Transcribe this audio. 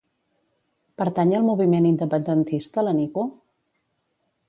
Pertany al moviment independentista la Nico?